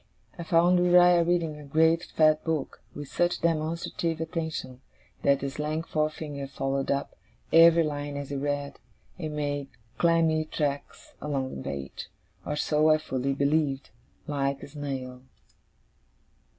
I found Uriah reading a great fat book, with such demonstrative attention, that his lank forefinger followed up every line as he read, and made clammy tracks along the page (or so I fully believed) like a snail.